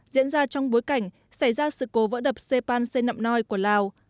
diễn ra trong bối cảnh xảy ra sự cố vỡ đập xe pan xe nậm noi của lào